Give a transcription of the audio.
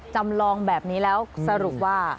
จำลองแบบนี้แล้วสรุปว่า